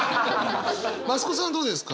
増子さんはどうですか？